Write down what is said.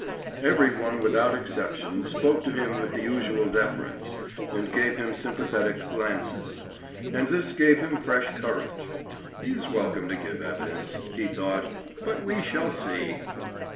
Every one without exception spoke to him with the usual deference, and gave him sympathetic glances; and this gave him fresh courage. "He's welcome to give evidence," he thought. "But we shall see!"